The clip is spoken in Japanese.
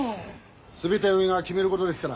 全て上が決めることですから。